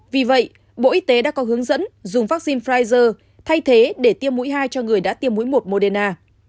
vì vậy bộ y tế đã có hướng dẫn dùng vaccine pfizer thay thế để tiêm mũi hai cho người đã tiêm mũi một moderna